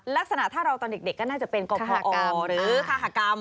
ลักษณะถ้าเราตอนเด็กก็น่าจะเป็นกพอหรือคาหกรรม